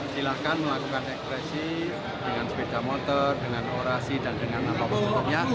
silahkan melakukan ekspresi dengan sepeda motor dengan orasi dan dengan apapun bentuknya